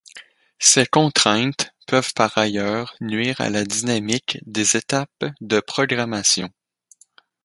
Ces contraintes peuvent par ailleurs nuire à la dynamique des étapes de programmation.